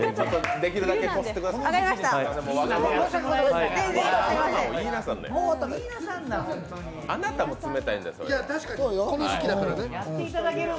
できるだけこすってください。